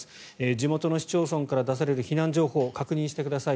地元の市町村から出される避難情報を確認してください。